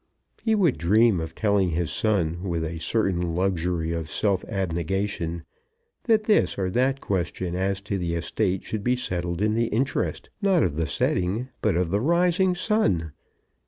He would dream of telling his son, with a certain luxury of self abnegation, that this or that question as to the estate should be settled in the interest, not of the setting, but of the rising sun.